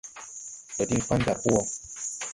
Ndo diŋ pan jar po wɔ.